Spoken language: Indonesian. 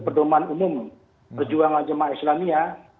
perdomaan umum perjuangan jemaah islamiyah